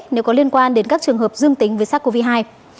nếu có liên quan đến các trường hợp dương tính với sắc covid hai